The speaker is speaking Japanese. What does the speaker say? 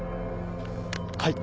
はい。